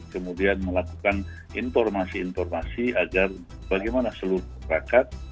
kemudian melakukan informasi informasi agar bagaimana seluruh perangkat